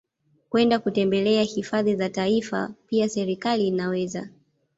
kwenda kutembelea hifadhi za Taifa Pia serekali inaweza